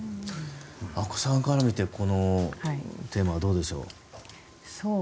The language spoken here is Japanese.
阿古さんから見てこのテーマはどうでしょう。